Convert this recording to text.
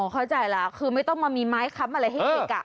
อ๋อเข้าใจละคือไม่ต้องมามีไม้คำอะไรให้เอกอ่ะ